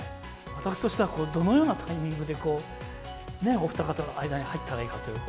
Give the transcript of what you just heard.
私としては、どのようなタイミングでこう、お二方の間に入ったらいいかという。